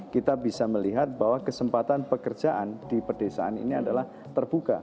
kita bisa melihat bahwa kesempatan pekerjaan di pedesaan ini adalah terbuka